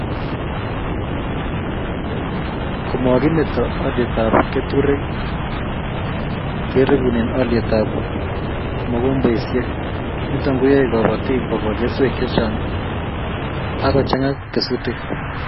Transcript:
Komokimeto olyetab keturek, kerekune olyetab mogombesiek nito koyoei kobotik kokol keswek chechang akochanga kesutik